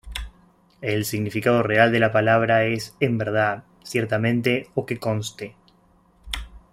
El significado real de la palabra es ‘en verdad’, ‘ciertamente’ o ‘que conste’.